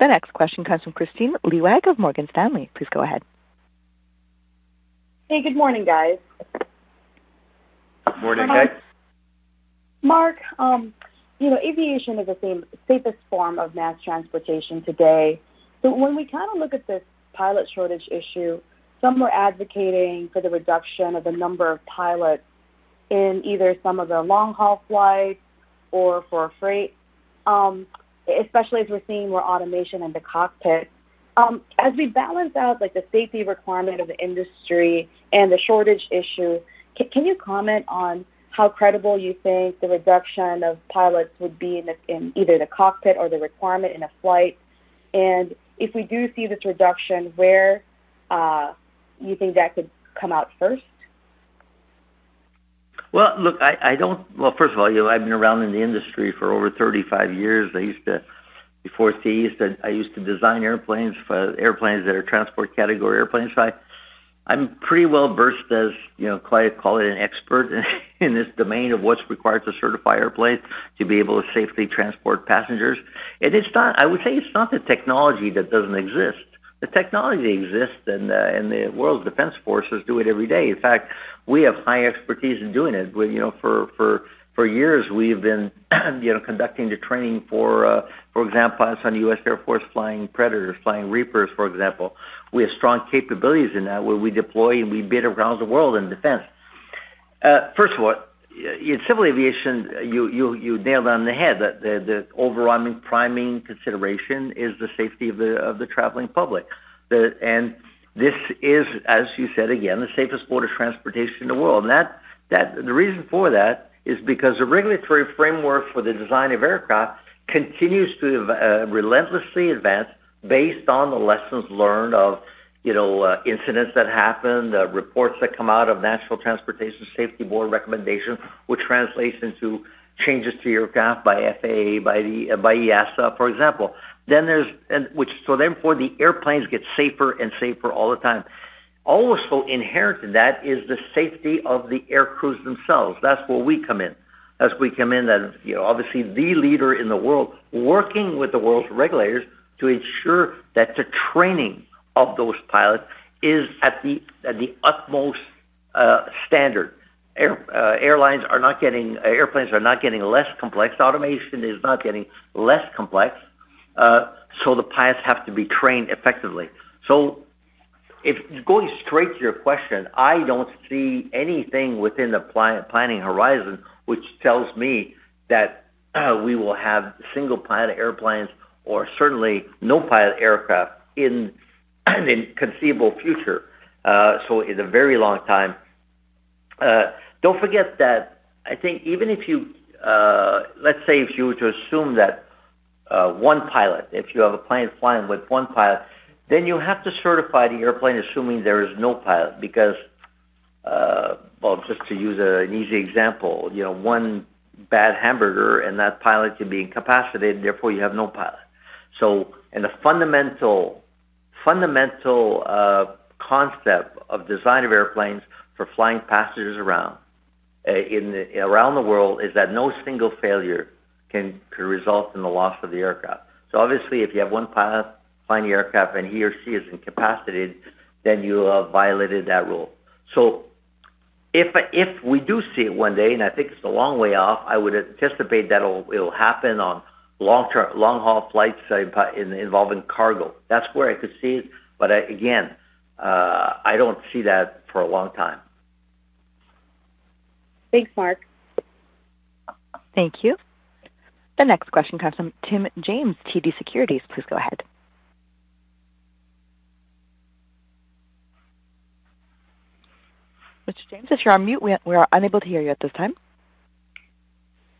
The next question comes from Kristine Liwag of Morgan Stanley. Please go ahead. Hey, good morning, guys. Good morning, Kris. Marc, you know, aviation is the same safest form of mass transportation today. When we kind of look at this pilot shortage issue, some are advocating for the reduction of the number of pilots in either some of the long-haul flights or for freight, especially as we're seeing more automation in the cockpit. As we balance out, like, the safety requirement of the industry and the shortage issue, can you comment on how credible you think the reduction of pilots would be in either the cockpit or the requirement in a flight? If we do see this reduction, where you think that could come out first? First of all, you know, I've been around in the industry for over 35 years. Before CAE, I used to design transport category airplanes. I'm pretty well-versed, as you know, clients call it, an expert in this domain of what's required to certify airplanes to be able to safely transport passengers. I would say it's not the technology that doesn't exist. The technology exists, and the world's defense forces do it every day. In fact, we have high expertise in doing it. You know, for years we've been conducting the training for example, the U.S. Air Force flying Predators, flying Reapers, for example. We have strong capabilities in that, where we deploy, and we bid around the world in defense. First of all, in civil aviation, you nailed it on the head. The overwhelming primary consideration is the safety of the traveling public. This is, as you said, again, the safest mode of transportation in the world. That the reason for that is because the regulatory framework for the design of aircraft continues to relentlessly advance based on the lessons learned of, you know, incidents that happen, the reports that come out of National Transportation Safety Board recommendation, which translates into changes to aircraft by FAA, by EASA, for example. Therefore, the airplanes get safer and safer all the time. Also inherent in that is the safety of the aircrews themselves. That's where we come in. As we come in as, you know, obviously the leader in the world, working with the world's regulators to ensure that the training of those pilots is at the utmost standard. Airplanes are not getting less complex. Automation is not getting less complex. The pilots have to be trained effectively. Going straight to your question, I don't see anything within the planning horizon which tells me that we will have single-pilot airplanes or certainly no-pilot aircraft in the foreseeable future. It's a very long time. Don't forget that I think even if you. Let's say if you were to assume that one pilot, if you have a plane flying with one pilot, then you have to certify the airplane assuming there is no pilot because, well, just to use an easy example, you know, one bad hamburger, and that pilot can be incapacitated, therefore you have no pilot. In the fundamental concept of design of airplanes for flying passengers around the world is that no single failure can result in the loss of the aircraft. Obviously, if you have one pilot flying the aircraft and he or she is incapacitated, then you have violated that rule. If we do see it one day, and I think it's a long way off, I would anticipate that it'll happen on long-haul flights, say involving cargo. That's where I could see it. Again, I don't see that for a long time. Thanks, Marc. Thank you. The next question comes from Tim James, TD Securities. Please go ahead. Mr. James, if you're on mute, we are unable to hear you at this time.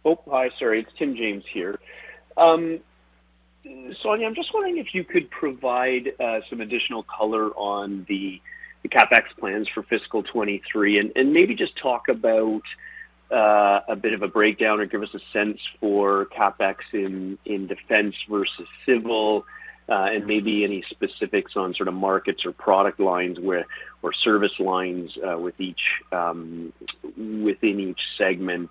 Oh, hi, sorry. It's Tim James here. Sonya, I'm just wondering if you could provide some additional color on the CapEx plans for fiscal 2023, and maybe just talk about a bit of a breakdown or give us a sense for CapEx in defense versus civil, and maybe any specifics on sort of markets or product lines or service lines within each segment.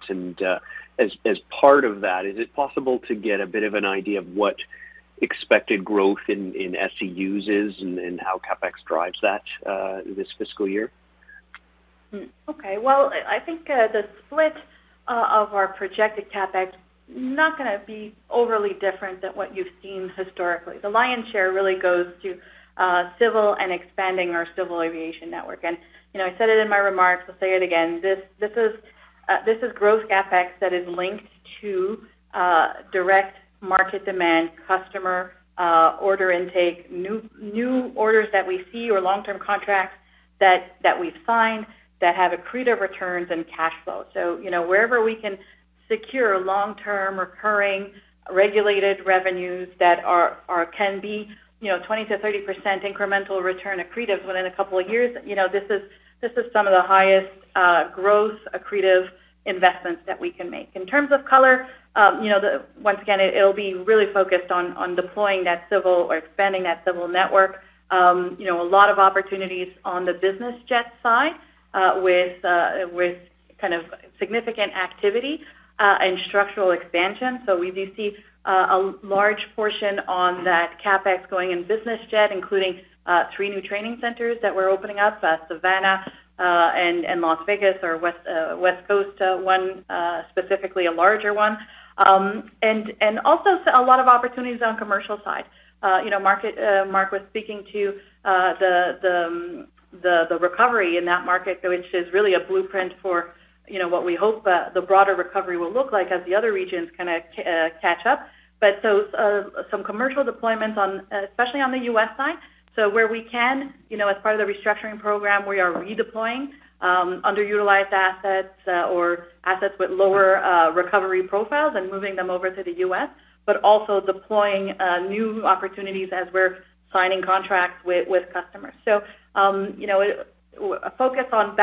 As part of that, is it possible to get a bit of an idea of what expected growth in SEUs is and how CapEx drives that this fiscal year? Well, I think the split of our projected CapEx is not gonna be overly different than what you've seen historically. The lion's share really goes to civil and expanding our civil aviation network. You know, I said it in my remarks, I'll say it again. This is gross CapEx that is linked to direct market demand, customer order intake, new orders that we see or long-term contracts that we've signed that have accretive returns and cash flow. You know, wherever we can secure long-term, recurring, regulated revenues that can be 20%-30% incremental return accretive within a couple of years, you know, this is some of the highest growth accretive investments that we can make. In terms of color, you know, the once again, it'll be really focused on deploying that civil or expanding that civil network. You know, a lot of opportunities on the business jet side. With kind of significant activity and structural expansion. We do see a large portion on that CapEx going in business jet, including three new training centers that we're opening up, Savannah and Las Vegas or West Coast one, specifically a larger one. And also a lot of opportunities on commercial side. You know, Mark was speaking to the recovery in that market, which is really a blueprint for what we hope the broader recovery will look like as the other regions kinda catch up. Those some commercial deployments on, especially on the US side. Where we can, you know, as part of the restructuring program, we are redeploying underutilized assets or assets with lower recovery profiles and moving them over to the U.S., but also deploying new opportunities as we're signing contracts with customers. You know, a focus on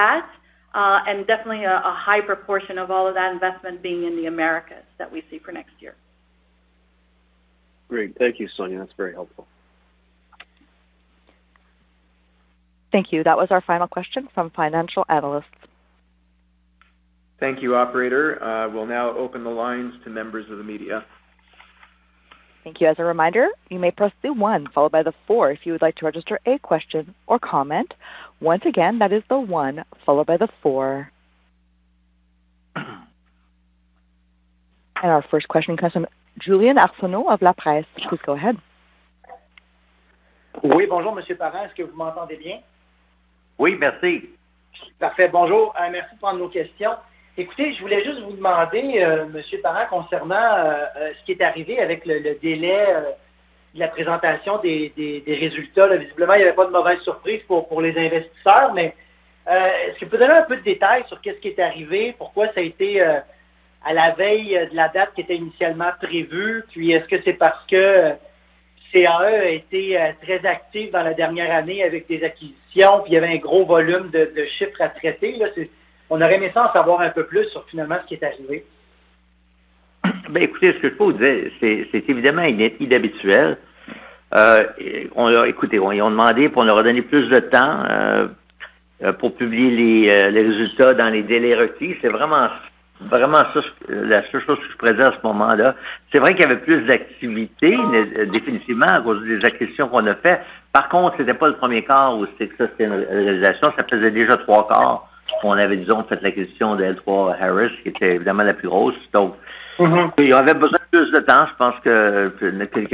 that and definitely a high proportion of all of that investment being in the Americas that we see for next year. Great. Thank you, Sonya. That's very helpful. Thank you. That was our final question from financial analysts. Thank you, operator. We'll now open the lines to members of the media. Thank you. As a reminder, you may press the one followed by the four if you would like to register a question or comment. Once again, that is the one followed by the four. Our first question comes from Julien Arseneau of La Presse. Please go ahead. Oui, bonjour, Monsieur Parent. Est-ce que vous m'entendez bien? Oui, merci. Parfait. Bonjour. Merci de prendre nos questions. Écoutez, je voulais juste vous demander, Monsieur Parent, concernant ce qui est arrivé avec le délai de la présentation des résultats. Visiblement, il y avait pas de mauvaise surprise pour les investisseurs, mais est-ce que vous pouvez donner un peu de détails sur qu'est-ce qui est arrivé, pourquoi ça a été à la veille de la date qui était initialement prévue? Puis est-ce que c'est parce que CAE a été très active dans la dernière année avec des acquisitions, puis il y avait un gros volume de chiffres à traiter? On aurait aimé ça en savoir un peu plus sur finalement ce qui est arrivé. Écoutez, ce que je peux vous dire, c'est évidemment inhabituel. Écoutez, ils ont demandé, puis on leur a donné plus de temps pour publier les résultats dans les délais requis. C'est vraiment ça, la seule chose qui se présente à ce moment-là. C'est vrai qu'il y avait plus d'activité, mais définitivement à cause des acquisitions qu'on a faites. Par contre, c'était pas le premier quart où ça, c'était une réalisation. Ça faisait déjà trois quarts. On avait, disons, fait l'acquisition de L3Harris Technologies, qui était évidemment la plus grosse. Donc, ils avaient besoin de plus de temps. Je pense qu'une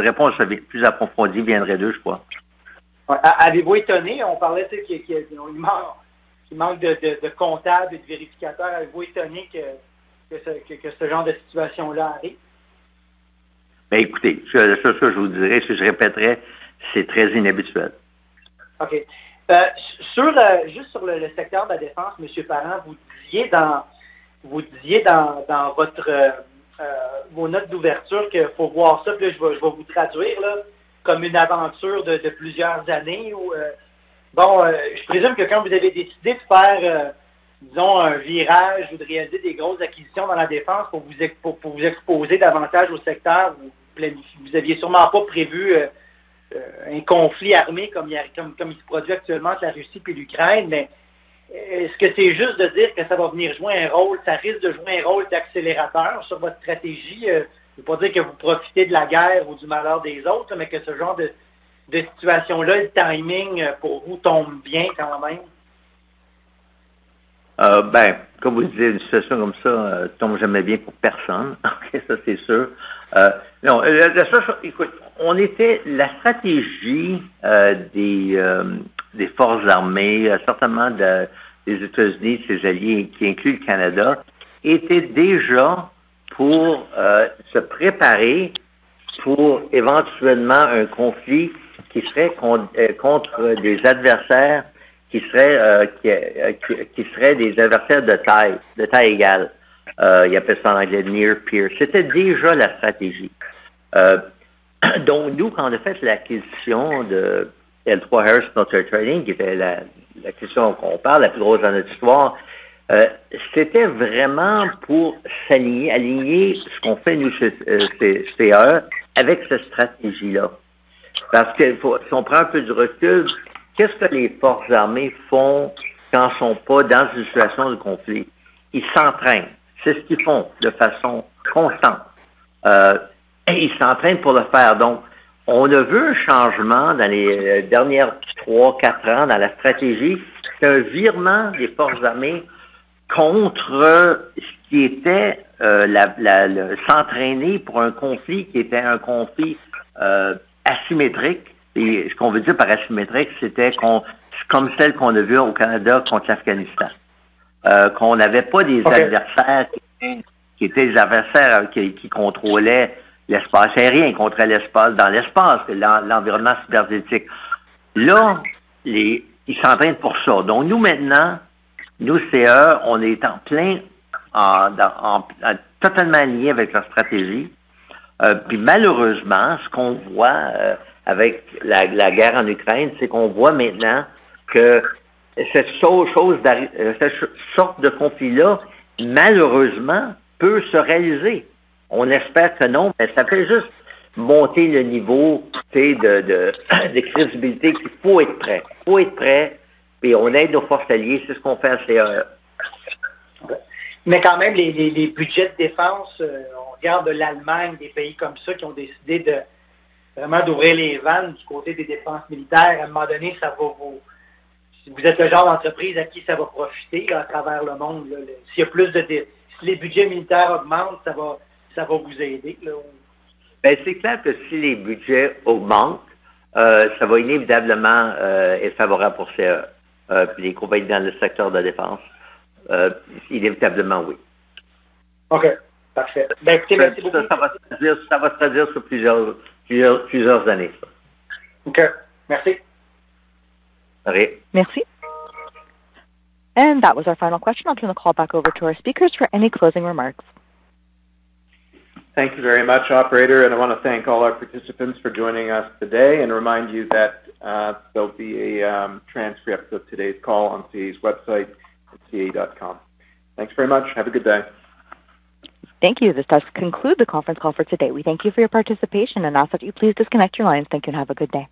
réponse plus approfondie viendrait d'eux, je crois. Ouais. Avez-vous étonné? On parlait, tu sais, qu'il manque de comptables, de vérificateurs. Êtes-vous étonné que ce genre de situation-là arrive? Ben, écoutez, ça, je vous dirai, ce que je répéterai, c'est très inhabituel. OK. Sur, juste sur le secteur de la défense, Monsieur Parent, vous disiez dans vos notes d'ouverture qu'il faut voir ça, puis là je vais vous traduire là, comme une aventure de plusieurs années où. Bon, je présume que quand vous avez décidé de faire, disons, un virage ou de réaliser des grosses acquisitions dans la défense pour vous exposer davantage au secteur, vous aviez sûrement pas prévu un conflit armé comme il se produit actuellement entre la Russie puis l'Ukraine. Mais est-ce que c'est juste de dire que ça va venir jouer un rôle, ça risque de jouer un rôle d'accélérateur sur votre stratégie? Je veux pas dire que vous profitez de la guerre ou du malheur des autres, mais que ce genre de situation-là, le timing pour vous tombe bien quand même. Comme vous dites, une situation comme ça tombe jamais bien pour personne. Ça, c'est sûr. Non. La seule chose, écoute, la stratégie des forces armées, certainement des États-Unis et de ses alliés, qui inclut le Canada, était déjà pour se préparer pour éventuellement un conflit qui serait contre des adversaires qui seraient des adversaires de taille égale. Ils appellent ça en anglais near-peer. C'était déjà la stratégie. Donc nous, quand on a fait l'acquisition de L3Harris Military Training, qui était l'acquisition qu'on parle, la plus grosse dans notre histoire, c'était vraiment pour s'aligner ce qu'on fait, nous, CAE, avec cette stratégie-là. Parce que si on prend un peu de recul, qu'est-ce que les forces armées font quand elles sont pas dans une situation de conflit? Ils s'entraînent. C'est ce qu'ils font de façon constante. Et ils s'entraînent pour le faire. Donc, on a vu un changement dans les dernières trois, quatre ans dans la stratégie, un virage des forces armées contre ce qui était l'entraînement pour un conflit qui était un conflit asymétrique. Et ce qu'on veut dire par asymétrique, c'était comme celle qu'on a vue au Canada contre l'Afghanistan, qu'on n'avait pas des adversaires qui contrôlaient l'espace aérien, qui contrôlaient l'environnement cybernétique. Ils s'entraînent pour ça. Donc CAE on est en plein dans totalement aligné avec leur stratégie. Malheureusement, ce qu'on voit avec la guerre en Ukraine, c'est qu'on voit maintenant que cette chose, cette sorte de conflit-là, malheureusement, peut se réaliser. On espère que non, mais ça fait juste monter le niveau, tu sais, de crédibilité, puis il faut être prêt, puis on aide nos forces alliées, c'est ce qu'on fait à CAE. Quand même, les budgets de défense, on regarde l'Allemagne, des pays comme ça qui ont décidé de vraiment d'ouvrir les vannes du côté des dépenses militaires. À un moment donné, vous êtes le genre d'entreprise à qui ça va profiter à travers le monde. Si les budgets militaires augmentent, ça va vous aider. Ben c'est clair que si les budgets augmentent, ça va inévitablement être favorable pour CAE, puis les compagnies dans le secteur de la défense. Inévitablement, oui. OK. Parfait. Eh bien, écoutez, merci beaucoup. Ça va se traduire sur plusieurs années. OK. Merci. De rien. Merci. That was our final question. I'll turn the call back over to our speakers for any closing remarks. Thank you very much, operator. I want to thank all our participants for joining us today and remind you that there'll be a transcript of today's call on CAE's website at cae.com. Thanks very much. Have a good day. Thank you. This does conclude the conference call for today. We thank you for your participation and ask that you please disconnect your lines. Thank you and have a good day.